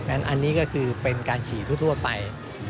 อันนี้ก็คือเป็นการขี่ทั่วไป